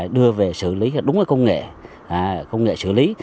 đưa về xử lý đúng với công nghệ công nghệ xử lý